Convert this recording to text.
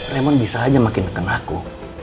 raymond bisa aja makin neken aku